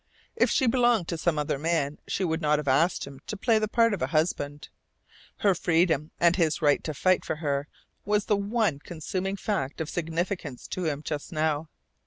If she belonged to some other man she would not have asked him to play the part of a husband. Her freedom and his right to fight for her was the one consuming fact of significance to him just now.